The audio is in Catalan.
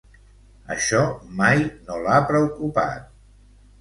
Això mai no l'ha preocupat.